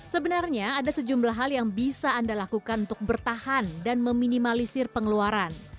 sebenarnya ada sejumlah hal yang bisa anda lakukan untuk bertahan dan meminimalisir pengeluaran